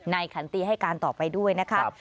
ขันตีให้การต่อไปด้วยนะคะ